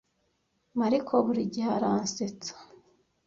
Mariko burigihe aransetsa.